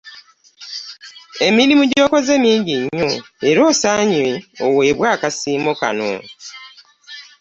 Emirimu gy'okoze mingi nnyo era osaanye oweebwe akasiimo kano.